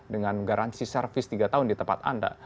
dengan garansi servis tiga tahun di tempat anda